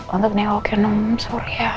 untuk newokin om surya